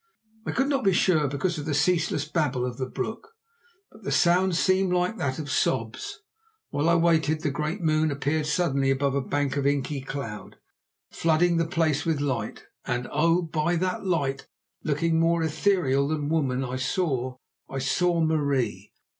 I could not be sure because of the ceaseless babble of the brook, but the sound seemed like that of sobs. While I waited the great moon appeared suddenly above a bank of inky cloud, flooding the place with light, and oh! by that light, looking more ethereal than woman I saw—I saw Marie!